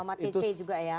pernama tc juga ya